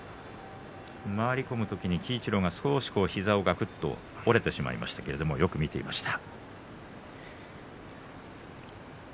回り込む時、行司の鬼一郎が膝をがくっと折れてしまいましたがよく土俵上を見ていました。